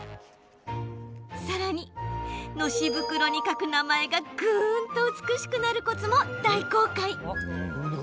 さらに、のし袋に書く名前がぐんと美しくなるコツも大公開。